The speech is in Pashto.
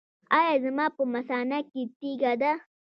ایا زما په مثانه کې تیږه ده؟